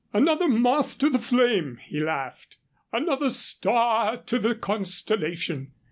"Another moth to the flame," he laughed. "Another star to the constellation.